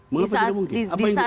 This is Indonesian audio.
mengapa tidak mungkin